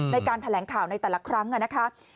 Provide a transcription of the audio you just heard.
ในการแถลงข่าวในแต่ละครั้งนะคะ